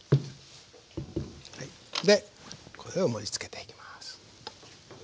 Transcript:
でこれを盛りつけていきます。